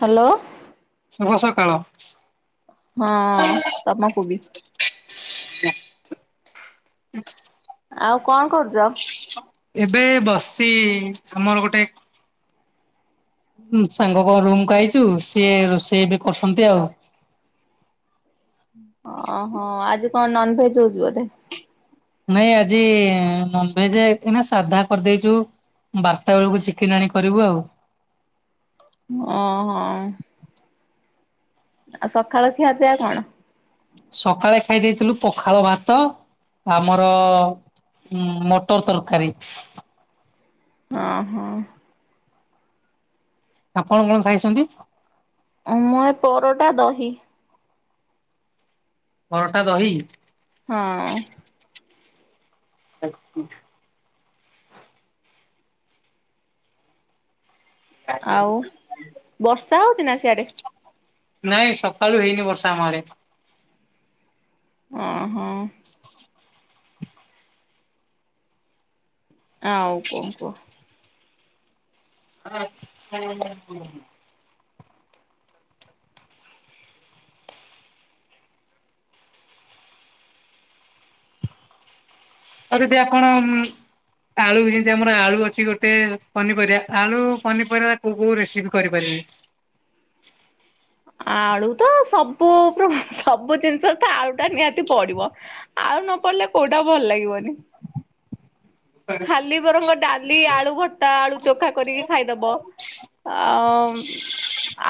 Hello. ଶୁଭ ସକାଳ। ହଁ ତମକୁ ବି। ଆଉ କଣ କରୁଛ? ଏବେ ବସିଛି ଆମର ଗୋଟେ ହୁଁ ସାଙ୍ଗ କ ରୁମ୍ କୁ ଆଇଛୁ ସିଏ ରୋଷେଇ ଏବେ କରଛନ୍ତି ଆଉ। ଓହୋ ଆଜି କଣ ନନ୍ ଭେଜ୍ ହଉଛିି ବୋଧେ? ନାଇଁ ଆଜି ନନଭେଜେ ଏଇନା ସାଧା କରିଦେଇଛୁ। ବାର୍ତ୍ତା ବେଳକୁ ଚିକେନ୍ ଆଣି କରିବୁ ଆଉ। ଓ ହୋ। ଆଉ ସଖାଳ ଖିଆ ପିଆ କଣ? ସକାଳେ ଖାଇ ଦେଇଥିଲୁ ପଖାଳ ଭାତ ଆମର ଉଁ ମଟର ତରକାରୀ। ଅଁ ହଁ। ଆପଣ କଣ ଖାଇଛନ୍ତି। ମୁଁ ଏ ପରଟା ଦହି। ପରଟା ଦହି? ହଁ। [unintelligible] ଆଉ ବର୍ଷା ହଉଛି ନା ସିଆଡେ? ନାଇଁ ସକାଳୁ ହେଇନି ବର୍ଷା ଆମ ଆଡେ। ଓ ହୋ। ଆଉ କଣ କୁହ? [unintelligible] କରି ଦି ଆପଣ ଉଁ। ଆଳୁ ଯେମିତି ଆମର ଆଳୁ ଅଛି ଗୋଟେ ପନିପରିବା ଆଳୁ ପନିପରିବା କୋଉ କୋଉ ରେସିପି କରିପାରିବେ? ଆଳୁ ତ ସବୁ ପ୍ର ସବୁ ଜିନିଷରେ ତ ଆଳୁ ଟା ନିହାତି ପଡିବ। ଆଳୁ ନ ପଡ଼ିଲେ କୋଉଟା ଭଲ ଲାଗିବନି। [inaudible] ଖାଲି ବରଙ୍ଗ ଡାଲି ଆଳୁ ଭର୍ତା ଆଳୁ ଚୋଖା କରିକି ଖାଇଦବ। ଆଉ ମ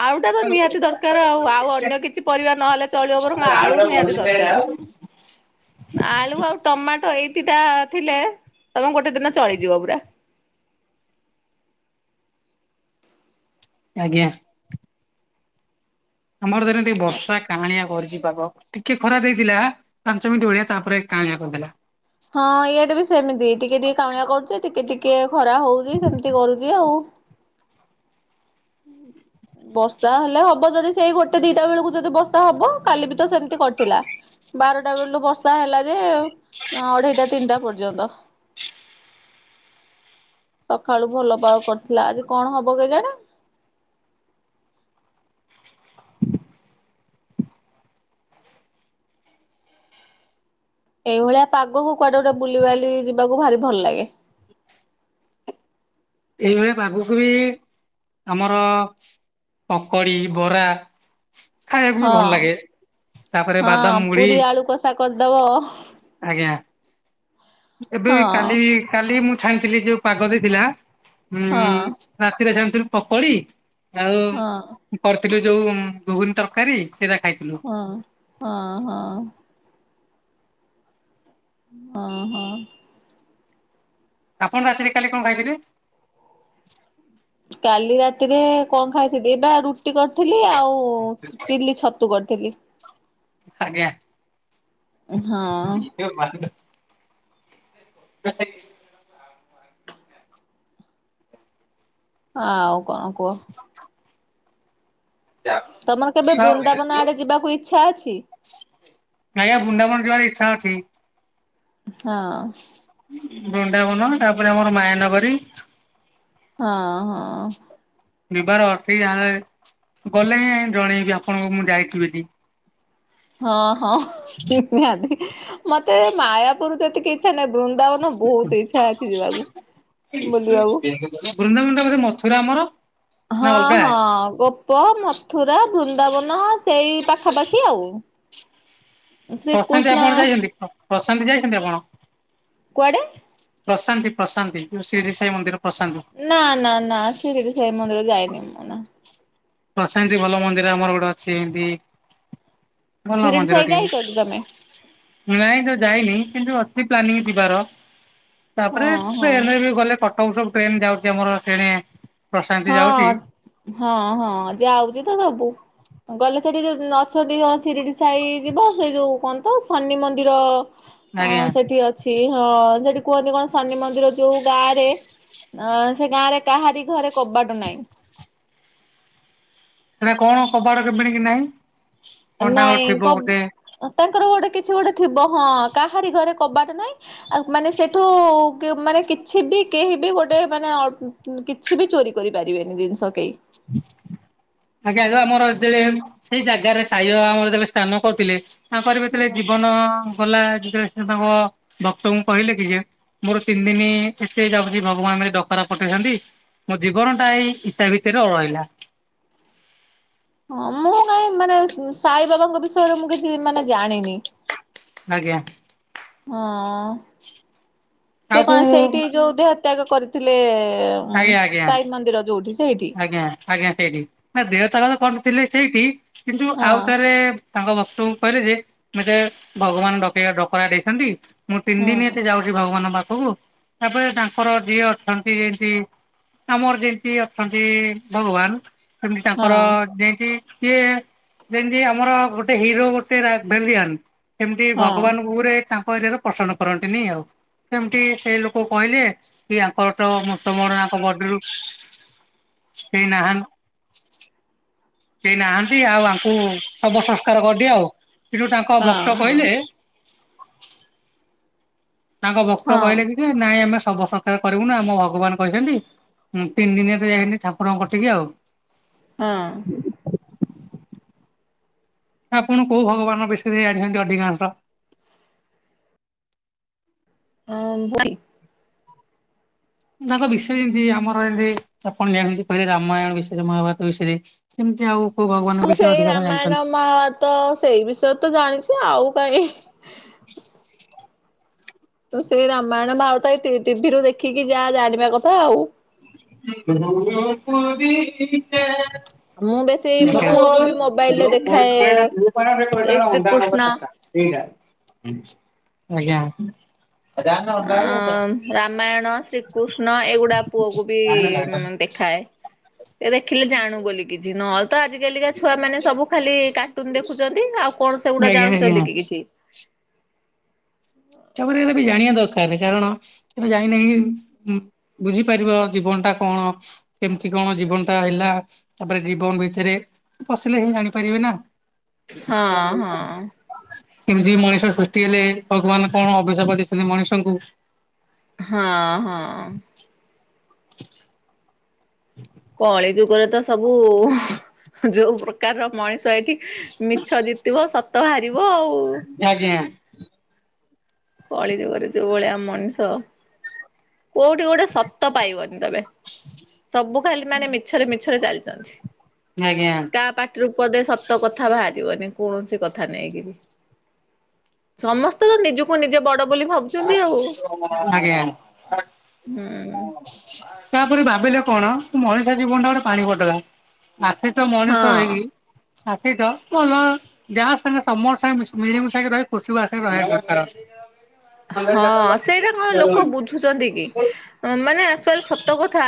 ଆଳୁ ଟା ତ ନିହାତି ଦରକାର ଆଉ ଆଉ ଅନ୍ୟ ଆଜ୍ଞା କିଛି ପରିବା ନହେଲେ ଚଳିବ ବରଂ ଆଳୁ ନିହାତି ଦର [unintelligible] ଆଳୁ ଆଉ ଟମାଟ ଏଇ ଦିଟା ଥିଲେ ତମେ ଗୋଟେ ଦିନ ଚଳିଯିବ ପୁରା। ଆଜ୍ଞା। ଆମର ତ ଏଇନେ ଟିକେ ବର୍ଷା କାହାଁଳିଆ କରିଛି ପାଗ। ଟିକେ ଖରା ଦେଇଥିଲା ପାଞ୍ଚ ମିଣ୍ଟି ଭଳିଆ ତାପରେ କାଁଳିଆ କରିଦେଲା। ହଁ ଏଇଆ ଡେ ବି ସେମିତି ଟିକେ ଟିକେ କାଉଁଳିଆ କରୁଛି ଟିକେ ଟିକେ ଖରା ହଉଛି ସେମିତି କରୁଛି ଆଉ। [inaudible] ବର୍ଷା ହେଲେ ହବ ଯଦି ସେଇ ଗୋଟେ ଦିଟା ବେଳକୁ ଯଦି ବର୍ଷା ହବ କାଲି ବି ତ ସେମିତି କରିଥିଲା। ବାରଟା ବେଳୁ ବର୍ଷା ହେଲା ଯେ ଅଢେଇଟା ତିନିଟା ପର୍ଯ୍ୟନ୍ତ। ସକାଳୁ ଭଲ ପାଗ କରିଥିଲା ଆଜି କଣ ହବ କେଜାଣି? ଏଇଭଳିଆ ପାଗକୁ କୁଆଡେ ଗୋଟେ ବୁଲିବାଲି ଯିବାକୁ ଭାରି ଭଲ ଲାଗେ। ଏଇଭଳିଆ ପାଗକୁ ବି ଆମର ପକଡି ବରା। ଖାଇବାକୁ ବି ଭଲ ହଁ ଲାଗେ। ତାପରେ ହଁ ବାଦାମ ମୁଢି ପୁରୀ ଆଳୁ କଷା କରିଦବ ଆଜ୍ଞା। ଏବେ ହଁ କାଲି କାଲି ମୁଁ ଛାଇଁଥିଲି ଯୋଉ ପାଗ ଦେଇଥିଲା। ହୁଁ ହଁ ରାତିରେ ଛାଣିଥିଲୁ ପକୋଡି ଆଉ ହଁ କରିଥିଲୁ ଯୋଉ ଘୁଗୁନି ତରକାରୀ ସେଇଟା ଖାଇଥିଲୁ। ହଁ ହଁ ହଁ। ହଁ ହଁ। ଆପଣ ରାତିରେ କାଲି କଣ ଖାଇଥିଲେ? କାଲି ରାତିରେ କଣ ଖାଇଥିଲି ଏପା ରୁଟି କରିଥିଲି ଆଉ ଚିଲି ଆଜ୍ଞା। ଛତ ତୁ କରିଥିଲି। ଆଜ୍ଞା। ହଁ। [inaudible] ସେ ହଁ ଆଉ କଣ କୁହ? ତମର କେବେ ବୃନ୍ଦାବନ ଆଡେ ଆଜ୍ଞା ଯିବାକୁ ଇଚ୍ଛା ଅଛି? ନାଇଁ ବୃନ୍ଦାବନ ଯିବାର ଇଚ୍ଛା ଅଛି। ହଁ। ବୃନ୍ଦାବନ ତାପରେ ଆମର ମାୟାନଗରୀ। ହଁ ହଁ। ଯିବାର ଅଛିି ଯାହା ହେଲେ ଗଲେ ଜଣେଇବି ଆପଣଙ୍କୁ ମୁଁ ଯାଇଛି ବୋଲି। ହଁ ହଁ ନିହାତି ମତେ ମାୟାପୁର ଯେତିକି ଇଛା ନାଇଁ ବୃନ୍ଦାବନ ବହୁତ ଇଛା ଅଛି ଯିବାକୁ ବୁଲିବାକୁ ବୃନ୍ଦାବୃନ୍ଦ ବୋଧେ ମଥୁରା ଆମର ନା ହଁ ଅଲଗା? ହଁ ଗୋପ ମତ ମଥୁରା ବୃନ୍ଦାବନ ସେଇ ପାଖାପାଖି ଆଉ ପ୍ରଶାନ୍ତି ଶ୍ରୀକୃଷ୍ଣ ଆପଣ ଯାଇଛନ୍ତି ପ୍ରଶାନ୍ତି ଯାଇଛନ୍ତି ଆପଣ? କୁଆଡେ? ପ୍ରଶାନ୍ତି ପ୍ରଶାନ୍ତି ଯୋଉ ଶିରିଡ଼ି ସାଇ ମନ୍ଦିର ପ୍ରଶାନ୍ତି ନା ନା ନା ଶିରିଡ଼ି ସାଇ ମନ୍ଦିର ଯାଇନି ମୁଁ ନା ପ୍ରଶାନ୍ତି ଭଲ ମନ୍ଦିର ଆମର ଗୋଟେ ଅଛି ଏମତି ଭଲ ଶିରିଡି ମନ୍ଦିର ସାଇ ଟିଏ। ଯାଇଛ କି ତମେ? ନାଇଁ ତ ଯାଇନି କିନ୍ତୁ ଅଛି ପ୍ଲାନିଂ ଯିବାର ତାପରେ ହଁ ସେ ହଁ। ଏ ଗଲେ ସବୁ ସବୁ ଟ୍ରେନ ଯାଉଡ଼ି ଆମର ସେଣେ ହଁ। ହଁ ହଁ ଯାଉଛି ତ ସବୁ ଗଲେ ସେଠି ଅଛନ୍ତି ହଁ ସିରିଡି ସାଇ ଯିବ ସେ ଯୋଉ କଣ ତ ଶନି ମନ୍ଦିର ଆଜ୍ଞା ସେଠି ଅ ଅଛି ହଁ ସେଠି କୁହନ୍ତି କଣ ଶନି ମନ୍ଦିର ଯୋଉ ଗାଁରେ ଅ ସେ ଗାଁରେ କାହାରି ଘରେ କବାଟ ନାହିଁ ସେଟା କଣ କବାଟ କେମିଣ କି ନାହିଁ କଣ ତାଙ୍କର ନାଇଁ କ ଥିବ ଗୋଟେ ତାଙ୍କର ଗୋଟେ କିଛି ଗୋଟେ ଥିବ ହଁ କାହାରି ଘରେ କବାଟ ନାଇଁ। ଆଉ ମାନେ ସେଠୁ ମାନେ କିଛି ବି କେହି ବି ଗୋଟେ ମାନେ କିଛି ବି ଚୋରି କରିପାରିବେନି ଜିନିଷ କେହି [inaudible] ଆଜ୍ଞା ଆ ଆମର ଯେତେବେଳେ ସେଇ ଜାଗାରେ ସାଇବାବା ଆମର ସ୍ଥାନ କରୁଥିଲେ ତାଙ୍କର ଯେତେବେଳେ ହଁ। ଜୀବନ ଗଲା ଯେତେଳେ ସେ ତାଙ୍କ ଭକ୍ତଙ୍କୁ କହିଲେ କି ଯେ ମୋର ତିନି ଦିନ ଏତେ ଯାଉଛି ଭଗବାନ ଡକରା ପଠେଇଛନ୍ତି, ମୋ ଜୀବନ ଟା ଏଇ ଇଟା ଭିତରେ ରହିଲା। ହଁ ମୁଁ କାଇହିଁ ମାନେ ସାଇ ବାବାଙ୍କ ବିଷୟରେ ମୁଁ କିଛି କିଛି ମାନେ ଜାଣିନି ଆଜ୍ଞା ହଁ। ସେ ଆଉ କଣ କୋଉ ସେଇଠି ଯୋଉ ଦେହତ୍ୟାଗ କରିଥିଲେ ଉ ଆଜ୍ଞା ଆଜ୍ଞା। ସାଇ ମନ୍ଦିର ଯୋଉଠି ସେଇଠି? ଆଜ୍ଞା ଆଜ୍ଞା ସେଇଠି ନା ଦେହ ତ୍ୟାଗ ତ କରିଥଲେ ସେଇଠି କିନ୍ତୁ ହଁ ଆଉଥରେ ତାଙ୍କ ବସ୍ତୁ କହିଲେ ଯେ ମତେ ଭଗବାନ ଡକେଇ ଡକରା ଦେଇଛନ୍ତି ମୁଁ ତିନି ଦିନ ହୁଁ ଏତେ ଯାଉଛି ଭଗବାନ ପାଖକୁ ତାପରେ ତାଙ୍କର ଯିଏ ଅଛନ୍ତି ଜେନ୍ତି ଆମର ଯେମିତି ଅଛନ୍ତି ଭଗବାନ ସେମିତି ତାଙ୍କର ହଁ ଯେ କି ସିଏ ଯେମିତି ଆମର ଗୋଟେ ହିରୋ ଗୋଟେ ରା ଭେଲିଆନ ସେମିତି ହଁ ଭଗବାନଙ୍କୁରେ ଗୁରେ ତାଙ୍କ ଏରିଆରେ ପସନ୍ଦ କରନ୍ତିନି ଆଉ। ସେମିତି ସେ ଲୋକ କହିଲେ କି ଆଙ୍କର ତ ମତ ମୋରଙ୍କ ବଡିରୁ ସେଇ ନାହନ୍ କେହି ନାହାନ୍ତି ଆଉ ଆଙ୍କୁ ଶବ ସଂସ୍କାର କରିଦିଅ ଆଉ କିନ୍ତୁ ତାଙ୍କ ହଁ ଭକ୍ତ କହିଲେ ହଁ ତାଙ୍କ ଭକ୍ତ କହିଲେ କି ନାଇଁ ଆମେ ଶବ ସସ୍କାର କରିବୁ ନି ଆମ ଭଗବାନ କହିଛନ୍ତି ହୁ ତିନି ଦିନିଆ ତ ଯାଇନି ଠାକୁରଙ୍କ କତିକି ଆଉ ହଁ। ଆପଣ କୋଉ ଭଗବାନଙ୍କ ବିଷୟରେ ଜାଣିଛନ୍ତି ଅଧିକାଂଶ? ହଁ ଭୁଇ। ତାଙ୍କ ବିଷୟରେ ଏମିତି ଆମର ଏମିତି ଆପଣ ଯେମିତି କହିଲେ ରାମାୟଣ ବିଷୟରେ ମହାଭାରତ ବିଷୟରେ ସେମିତି ଆଉ କୋଉ ଭଗବାନଙ୍କ ମୁଁ ବିଷୟରେ ସେଇ ଅଧିକାଂଶ ରାମାୟଣ ଜାଣିଛନ୍ତି? ମହାଭାରତ ସେଇ ବିଷୟରେ ତ ଜାଣିଛି ଆଉ କାହିଁ ତ ସେ ରାମାୟଣ ମହା ଭାତ ଟିଭିରୁୁ ଦେଖିକି ଯା ଜାଣିବା କଥା ଆଉ କୁପରୋ ମୁଁ ବେଶୀ ମୋ [unintelligible] ପୁଅକୁ ବି ମୋବାଇଲରେ ଦେଖାଏ [unintelligible] ସେଇ ଶ୍ରୀକୃଷ୍ଣ ଏଇଟା ଆଜ୍ଞା। ଆଜ୍ଞା ଆ ଆଜ୍ଞା ରାମାୟଣ ଶ୍ରୀକୃଷ୍ଣ ଏଇଗୁଡା ପୁଅକୁ ବି ଦେଖାଏ। ସେ ଦେଖିଲେ ଜାଣୁ ବୋଲି କିଛି ନହେଲେ ତ ଆଜିିକାଲିକା ଛୁଆ ମାନେ ସବୁ ଖାଲି କାର୍ଟୁନ ଦେଖି ଦେଖୁଛନ୍ତି ଆଉ କଣ୍ ସେଗୁଡା ଜାଣିଛନ୍ତି କିଛି ତାପରେ ବି ଜାଣିବା ଦରକାର କାରଣ ଜାଣିନାହିଁ ବୁଝିପାରିବ ଜୀବନ ଟା କଣ। କେମିତି କଣ୍ ଜୀବନ ଟା ହେଲା ତାପରେ ଜୀବନ ଭିତରେ ପଶିଲେ ହିଁ ଜାଣିପାରିବେ ନାଁ। ହଁ ହଁ। କେମିତି ମଣିଷ ସୃଷ୍ଟି ହେଲେ ଭଗବାନ କଣ ଅଭିଶାପ ଦେଇଛନ୍ତି ମଣିଷଙ୍କୁ। ହଁ ହଁ। ହଁ [inaudible] କଳି ଯୁଗରେ ତ ସବୁ ଯୋଉ ପ୍ରକାରର ମଣିଷ ଏଠି ମିଛ ଜିତିବ ସତ ହାରିବ ଆଉ। ଆଜ୍ଞା। କଳି ଯୁଗରେ ଯୋଉ ଭଳିଆ ମଣିଷ। କୋଉଠି ଗୋଟେଏ ସତ ପାଇବନି ତମେ। ସବୁ ଖାଲି ମାନେ ମିଛରେ ମିଛରେ ଚାଲିଛନ୍ତି ଆଜ୍ଞା କା ପାଟି ରୂ ପଦେ ସତ କ ଯା ବାହାରିବନି କୌଣସି କଥା ନେଇକି ବି ସମସ୍ତେ ତ ନିଜୁ କୁ ନିଜେ ବଡ ବୋଲି ଭାବୁଛନ୍ତି ଆଉ ଆଜ୍ଞା ହୁଁ। ତାପରେ ଭାବିଲେ କଣ ମଣିଷ ଜୀବନ ଟା ଗୋଟିଏ ପାଣି ଫଟକା। ଆସିଚ ମଣିଷ ହଁ ହେଇ ଆସିଚ ଭଲ। ଯାହା ସାଙ୍ଗେ ସମସ୍ତେ ମିଶି ମିଳି ମିଶାଇକି ରହେ ଖୁସି ବାସିରେ ରହିବା ଦରକାର। ହଁ ସେଇରା କଣ ଲୋକ ବୁଝୁଛନ୍ତି କି? ହିଁମାନେ ଆକଚୁଆଲ ସତ କଥା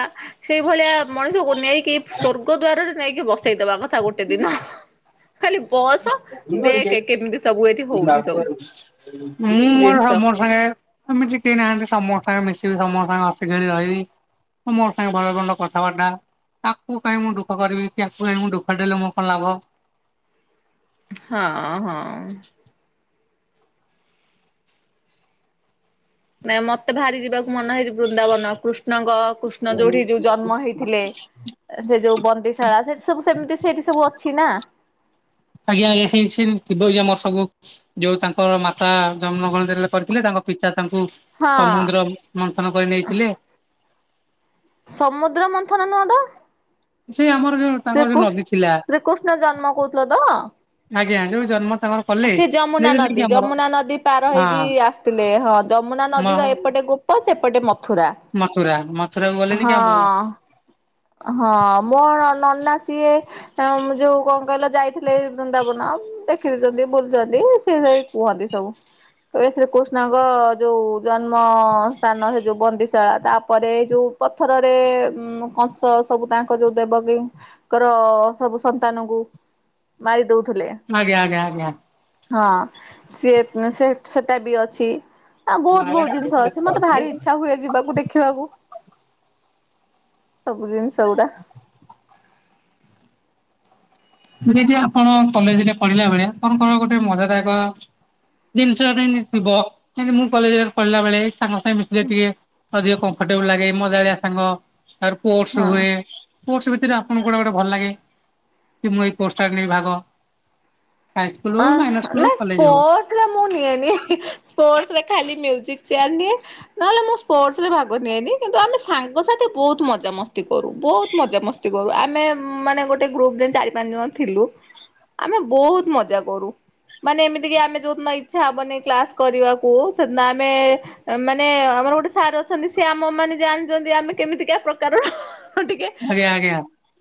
ସେଇ ଭଳିଆ ମଣିଷକୁ ନେଇକି ସ୍ଵର୍ଗ ଦ୍ଵାରରେ ନେଇକି ବସ ସେଇ ଦବାକଥା ଗୋଟେ ଦିନ ଖାଲି ବସ [inaudible] ହୁଁ ମୋର ଧର୍ମ ଦେଖେ କେମିତି ସବୁ ଏଠି ହଉଛି ସବୁ ସାଙ୍ଗେ ଜିନିଷ। ଆମେ ଟିକିଏ ନାହଲେ ସମସ୍ତଙ୍କ ସହ ମିଶିବି ସମସ୍ତ ସହ ହସି ଖେଳି ରହିବି। ସମସ୍ତଙ୍କ ସାଙ୍ଗେରେ ଭଲରେ ଭଲ କଥାବାର୍ତ୍ତା। କାକୁ କାହିଁ ମୁଁ ଦୁଃଖ କରିବି ତାକୁ କାହିଁ ମୁଁ ଦୁଃଖ ଦେଲେ ମୋର କଣ୍ ଲାଭ। ହଁ ହଁ। ହ [inaudible] ନାଇଁ ମତେ ଭାରି ଜିବାକୁ ମନ ହେଇଛି ବୃନ୍ଦାବନ କୃଷ୍ଣଙ୍କ କୃଷ୍ଣ ଯୋଉଠି ଯୋଉ ଜନ୍ମ ହେଇଥିଲେ। ସେ ଯୋଉ ବନ୍ତିିଶାଳା ସେଇଠି ସବୁ ସେମିତି ସେଇଠି ସବୁ ଅଛି ନା। ଆଜ୍ଞା ଆଜ୍ଞା ସେଇ ସେମତି ଥିବ ମସକକୁ। ଯୋଉ ତାଙ୍କର ମାତା ଜନ୍ମଗଣ କରିଥିଲେ ତାଙ୍କ ପିତା ତାଙ୍କୁ ହଁ ସମୁଦ୍ର ମନ୍ଥନ କରି ନେଇଥିଲେ। ସମୁଦ୍ର ମନ୍ଥନ ନୁହଁତ। ସେ ଆମର ଜ ଶ୍ରୀକୃଷ୍ଣ ଶ୍ରୀକୃଷ୍ଣ ଜନ୍ମ କହୁଥିଲ ତ। ଆଜ୍ଞା ଯୋଉ ଜନ୍ମ ତାଙ୍କର କଲେ ସେ ଯମୁନା ନେଇଗଲେ କି ନଦୀ ଆମର ଯମୁନା ନଦୀ ପାର ହେଇକି ହଁ ଆସିଥିଲେ ହଁ ଯମୁନା ମ ନଦୀର ଏପଟେ ଗୋ ପ ସେପଟେ ମଥୁରା। ମଥୁରା ମଥୁରାକୁ ଗଲେନିକି ଆପଣ? ହଁ। ହଁ ମୋ ନନା ସିଏ ଏଁ ଯୋଉ କଣ୍ କହିଲ ଯାଇଥି ଲେ ବୃନ୍ଦାବନ ଦେଖିଛନ୍ତି ବୁଲୁଛନ୍ତି ସେ ସେଇ କୁହନ୍ତି ସବୁ। କହିବେ ଶ୍ରୀକୃଷ୍ଣଙ୍କ ଯୋଉ ଜନ୍ମ ସ୍ଥାନ ସେ ଯୋଉ ବନ୍ଦିଶାଳା ତାପରେ ଯୋଉ ପଥରରେ ଉଁ କଂଶ ସ ସବୁ ତାଙ୍କ ଯୋଉ ଦେବକୀଙ୍କର ସବୁ ସନ୍ତାନଙ୍କୁ ମାରିଦଉ ଆଜ୍ଞା ଆଜ୍ଞା ଆଜ୍ଞା। ହଁ ସିଏ ସେ ସେଟା ବି ଅଛି। ଆ ବହୁତ ବହୁତ ଜିନିଷ ଅଛି। ମତେ ଭାରି ଇଚ୍ଛା ହୁଏ ଯିବାକୁ ଦେଖିବାକୁ। ସବୁ ଜିନିଷ ଗୁଡା। ଦିଦି ଆପଣ କଲେଜରେ ପଢିଲା ବେଳେ। ଆପଣଙ୍କର ଗୋଟେ ମଜାଦାୟକ ଜିନିଷ ଏମିତିଥିବ ଯେମିତି ମୁଁ କଲେଜରେ ପଢିଲା ବେଳେ ସାଙ୍ଗ ସାଙ୍ଗେ ମିଶିଲେ ଟିକେ ଅଧିକ କମ୍ଫଟେବୁଲ ଲାଗେ ମଜାଳିଆ ସାଙ୍ଗ ତାପରେ ପୋର୍ସ ହଁ। ହୁଏ। ସ୍ପୋର୍ଟ୍ସ ଭିତରେ ଆପଣଙ୍କୁ କୋଉଟା ଭଲ ଲାଗେ। କି ମୁଁ ସ୍ପୋର୍ଟ୍ସ ରେ ନେବି ଭାଗ। ହାଇସ୍କୁଲ ହୋଉ ମାଇଁନର ସ୍କୁଲ ହୋଉ କଲେଜ ହୋଉ। ଥିଲା ମୁଁ ନିଏନି ହିଁ ସ୍ପୋର୍ଟ୍ସ ଖାଲି ମିଉଜିକ ଚିଆର ନିଏ। ନହେଲେ ମୁଁ ସ୍ପୋର୍ଟସ ରେ ଭାଗ ନିଏନି କିନ୍ତୁ ଆମେ ସାଙ୍ଗସାଥି ବହୁତ ମଜାମସ୍ତି କରୁ ବହୁତ ମଜାମସ୍ ତି କରୁ ଆମେ ମାନେ ଗୋଟେ ଗ୍ରୁପରେ ଚାରି ପାଞ୍ଚ ଜଣ ଥିଲୁ ଆମେ ବହୁତ ମଜା କରୁ ମାନେ ଏମିତି କି ଆମେ ଯୋଉ ଦିନ ଇଛା ହବନି କ୍ଲାସ କରିବାକୁ ସେଦିନ ଆମେ ମାନେ ଆମର ଗୋଟେ ସାର୍ ଅଛନ୍ତି। ସେ ଆମ ମାନେ ଜାଣିଛନ୍ତି ଆମେ କେମିତିକା ପ୍ରକାରର। ହେଁ। [unintelligible] ଟିକେ। ଆଜ୍ଞା ଆଜ୍ଞା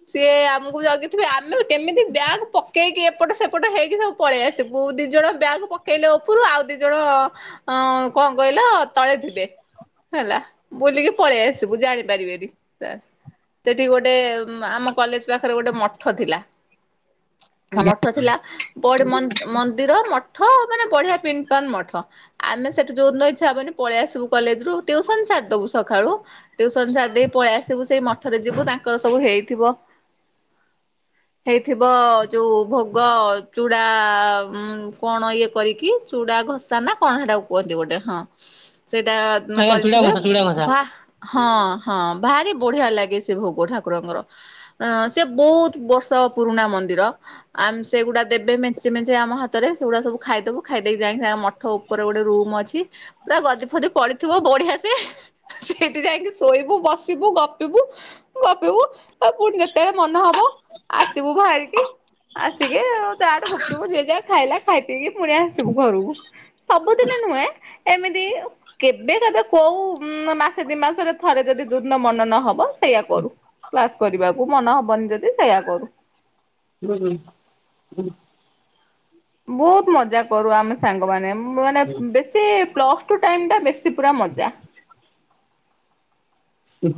ସିଏ ଆମକୁ ଜଗିଥିବେ ଆମେ କେମିତି ବ୍ୟାଗ୍ ପକେଇକି ଏପଟ ସେପଟ ହେଇକି ସବୁ ପଳେଇ ଆସିବୁ ଦି ଜଣ ବ୍ୟାଗ୍ ପକେଇଲେ ଓପରୁ ଆଉ ଦି ଜଣ ଅ କଣ କହିଲ ତଳେ ଥିବେ। ହେଲା ବୁଲିକି ପଳେଇ ଆସିବୁ ଜାଣିପାରିବେନି ସାର୍। ସେଠି ଗୋଟେ ଆମ କଲେଜ୍ ପାଖରେ ଗୋଟେ ମଠ ଥିଲା ମଠ ଥିଲା ପଡ଼୍ ମନ୍ ମନ୍ଦିର ମଠ ମାନେ ବଢିଆ ପିନ୍ ପାନ୍ ମଠ। ଆମେ ସେଠୁ ଯୋଉଦିନ ଇଛା ହବନି ପଳେଇ ଆସିବୁ କଲେଜ୍ ରୁ ଟିଉସନ୍ ସାରିଦବୁ ସଖାଳୁ। ଟିଉସନ ସାରିଦେଇ ପଳେଇ ଆସିବୁ ସେଇ ମଠରେ ଯିବୁ ତାଙ୍କର ସବୁ ହେଇଥିବ ହେଇଥିବ ଯୋଉ ଭୋଗ ଚୁଡ଼ା ଉଁ କଣ ଇଏ କରିକି ଚୁଡ଼ା ଘସା ନା କଣ ହେଟାକୁ କୁହନ୍ତି ଗୋଟେ ହଁ। ସେଇଟା ଆଜ୍ଞା ଚୁଡ଼ା କରିଥିବେ ଘଷା ଚୁଡ଼ା ବାଃ ହଁ ହଁ ଭାରି ବଢ଼ିଆ ଲାଗେ ସେ ଭୋଗ ଠାକୁରଙ୍କର। ଅ ସେ ବୋଉତ୍ ବର୍ଷ ପୁରୁଣା ମନ୍ଦିର ଆମ୍ ସେଗୁଡ଼ା ଦେବେ ମେଞ୍ଚେ ମେଞ୍ଚେ ଆମ ହାତରେ ସେଗୁଡ଼ା ସବୁ ଖାଇଦବୁ ଖାଇ ଦେଇକି ଯାଇଙ୍କି ତାଙ୍କ ମଠ ଓପରେ ଗୋଟେ ରୁମ୍ ଅଛି ପୁରା ଗଦି ଫଦି ପଡ଼ିଥିବ ବଢ଼ିଆ ସେ। ସେଇଠି ଯାଇଙ୍କି ଶୋଇବୁ ବସିବୁ ଗପିବୁ। ଗପିବୁ ଆଉ ପୁଣି ଯେତେବେଳେ ମନ ହବ ଆସିବୁ ଭାରିକି। ଆସିକି ଚାଟେ ଗୁପଚୁପ୍ ଯିଏ ଯା ଖାଇଲା ଖାଇ ପିଇକି ପୁଣି ଆସିବୁ ଘରକୁ ସବୁଦିନି ନୁଏଁ। ଏମିତି କେବେ କେବେ କୋଉ ଉମ୍ ମାସେ ଦି ମାସରେ ଥରେ ଯଦି ଯୋଉ ଦିନ ମନ ନହବ ସେୟା କରୁ କ୍ଲାସ କରିବାକୁ ମନ ହବନି ଯଦି ସେୟା କରୁ। [unintelligible] ବୋହୁତ ମଜା କରୁ ଆମେ ସାଙ୍ଗ ମାନେ ମାନେ ବେଶୀ ପ୍ଲସ୍ ଟୁ ଟାଇମ୍ ଟା ବେଶୀ ପୁରା ମଜା।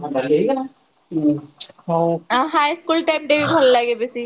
ଭଲରେ ହେଇଗଲା ଉଁ। ହଁ ହାଇସ୍କୁଲ ଟାଇମ୍ ଟେ ବି ଭଲ ଲାଗେ ବେଶୀ।